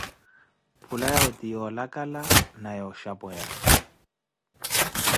Phula yawe ti yoolakala na wooxapeya.